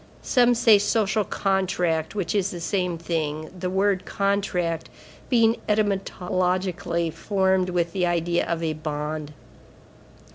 Some say social contract; which is the same thing, the word contract being etymologically formed with the idea of a bond.